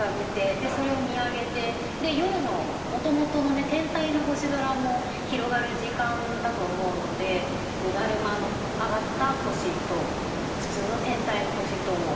でそれを見上げて夜のもともとの天体の星空も広がる時間だと思うので達磨の上がった星と普通の天体の星とを掛け合わせて詠んでみました。